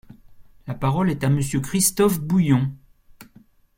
La parole est à Monsieur Christophe Bouillon.